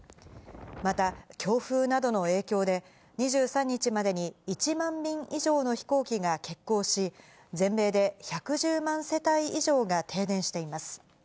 また、強風などの影響で、２３日までに１万便以上の飛行機が欠航し、全米で１１０万世帯以上が停電しています。